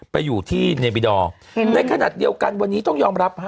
ไปอยู่ที่เนบิดอร์ในขณะเดียวกันวันนี้ต้องยอมรับฮะ